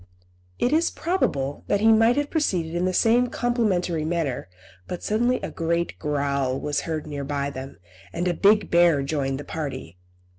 It is probable that he might have proceeded in the same complimentary manner, but suddenly a great growl was heard near by them, and a big bear joined the party.